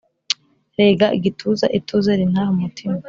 Rega igituza ituze rintahe umutima